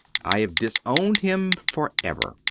I have disowned him for ever.